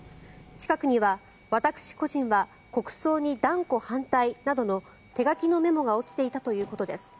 近くには私個人は国葬に断固反対などの手書きのメモが落ちていたということです。